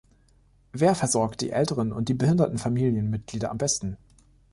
Wer versorgt die älteren und die behinderten Familienmitglieder am besten?